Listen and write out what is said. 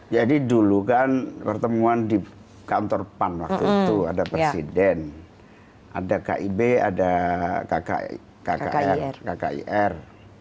jadi dulu kan pertemuan di kantor pan waktu itu ada presiden ada kib ada kkir